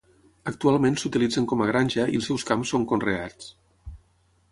Actualment s'utilitzen com a granja i els seus camps són conreats.